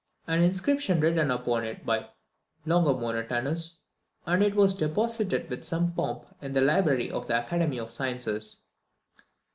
An inscription was written upon it by Longomontanus, and it was deposited with some pomp in the Library of the Academy of Sciences.